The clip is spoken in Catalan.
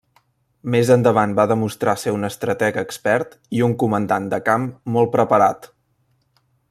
Més endavant va demostrar ser un estrateg expert i un comandant de camp molt preparat.